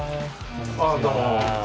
あどうも。